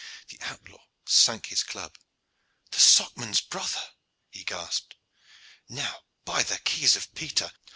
The outlaw sank his club. "The Socman's brother!" he gasped. "Now, by the keys of Peter!